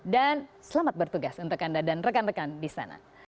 dan selamat bertugas untuk anda dan rekan rekan di sana